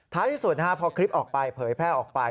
ท้าที่สุดนะครับพอคลิปออกไปเผยแภกออกไป